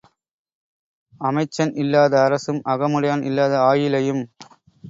அமைச்சன் இல்லாத அரசும் அகமுடையான் இல்லாத ஆயிழையும்.